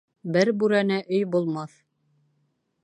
Бер бүрәнә өй булмаҫ.